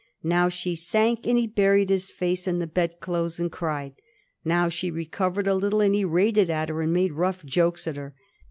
Now she sank, and he buried his face in the bedclothes and cried; now she recovered a little, and he rated at her and made rough jokes at her.